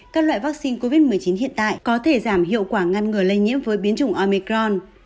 các loại vaccine covid một mươi chín hiện tại có thể giảm hiệu quả ngăn ngừa lây nhiễm với biến chủng omecron